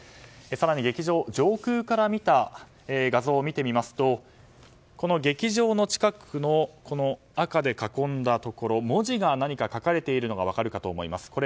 更に劇場を上空から見た画像を見てみますと劇場の近くの赤で囲んだところに文字が書かれているのが分かると思います。